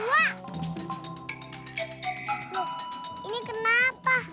wah ini kenapa